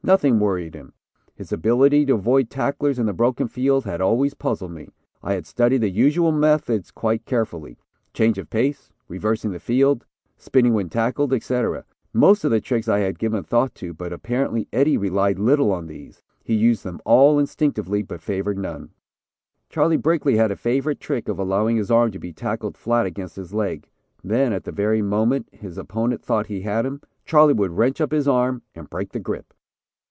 Nothing worried him. His ability to avoid tacklers in the broken field had always puzzled me. I had studied the usual methods quite carefully. Change of pace, reversing the field, spinning when tackled, etc., most of the tricks I had given thought to, but apparently Eddie relied little on these. He used them all instinctively, but favored none. "Charlie Brickley had a favorite trick of allowing his arm to be tackled flat against his leg, then, at the very moment his opponent thought he had him, Charlie would wrench up his arm and break the grip.